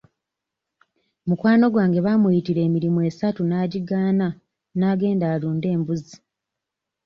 Mukwano gwange baamuyitira emirimu esatu n'agigaana n'agenda alunde embuzi.